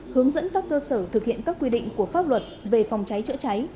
hướng dẫn các cơ sở thực hiện các quy định của pháp luật về phòng cháy chữa cháy